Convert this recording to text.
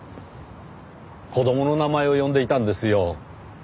子供の名前を呼んでいたんですよ。